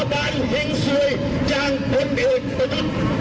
ภาคภูมิภาคภูมิ